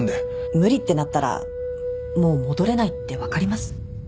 無理ってなったらもう戻れないって分かります？